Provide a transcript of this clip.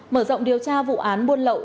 mở rộng điều tra vụ án buôn lậu